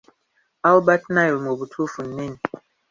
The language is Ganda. Albert Nile mu butuufu nnene.